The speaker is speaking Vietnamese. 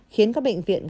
khiến các bệnh viện bị bệnh